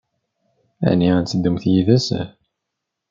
Ɛni ad teddumt yid-s?